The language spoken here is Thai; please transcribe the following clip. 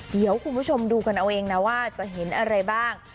เดี๋ยวคุณผู้ชมดูกันเอาเองนะว่าจะเห็นอะไรบ้าง